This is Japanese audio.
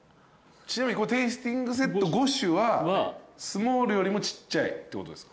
ちなみにテイスティングセット５種はスモールよりもちっちゃい？